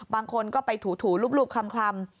บางคนก็ไปถูรูปคลำ